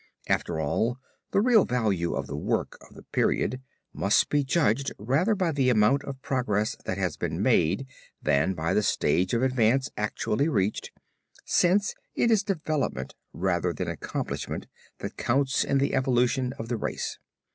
After all, the real value of the work of the period must be judged, rather by the amount of progress that has been made than by the stage of advance actually reached, since it is development rather than accomplishment that counts in the evolution of the race.